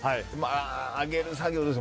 上げる作業ですよ。